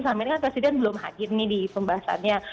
sama ini kan presiden belum hadir di pembahasannya